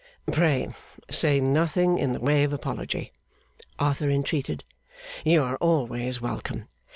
'Pray say nothing in the way of apology,' Arthur entreated. 'You are always welcome.